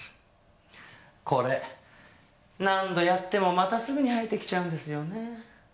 これ何度やってもまたすぐに生えてきちゃうんですよね。